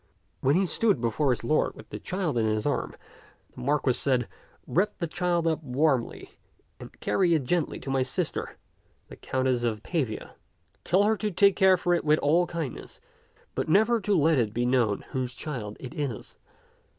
When he stood before his lord with the child in his arms, the Marquis said, " Wrap the child up warmly I50 t^tCUxk'0 tak and carry it gently to my sister, the Countess of Pavia. Tell her to care for it with all kindness, but never to let it be known whose child it is.